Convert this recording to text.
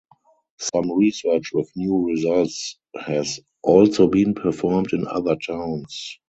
Some research with new results has also been performed in other towns.